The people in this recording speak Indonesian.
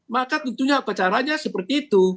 maka tentunya wawancaranya seperti itu